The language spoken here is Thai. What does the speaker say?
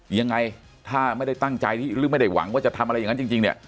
ยังไงถ้าไม่ได้ตั้งใจหรือไม่ได้หวังว่าจะทำอะไรอย่างนั้นจริงเนี่ย